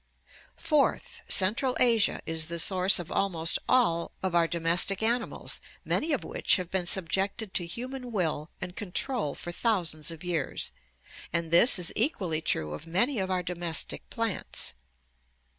Fourth, central Asia is the source of almost all of our domestic animals, many of which have been subjected to human will and control for thousands of years, and this is equally true of many of our domestic plants.